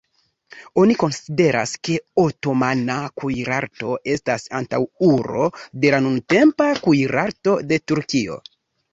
Oni konsideras, ke otomana kuirarto estas antaŭulo de la nuntempa kuirarto de Turkio.